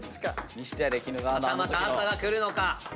はたまた朝が来るのか。